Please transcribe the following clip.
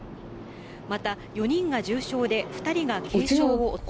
また、４人が重傷で、２人が軽傷を負っています。